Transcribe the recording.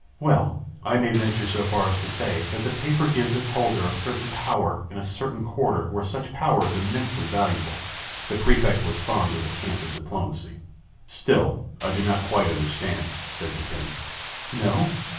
"Well, I may venture so far as to say that the paper gives its holder a certain power in a certain quarter where such power is immensely valuable." The Prefect was fond of the cant of diplomacy. "Still I do not quite understand," said Dupin. "No?